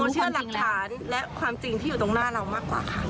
เชื่อหลักฐานและความจริงที่อยู่ตรงหน้าเรามากกว่าค่ะ